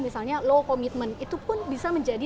misalnya low commitment itu pun bisa menjadi